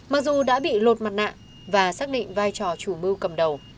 mặc dù đã bị lột mặt nạ và xác định vai trò chủ mưu cầm đầu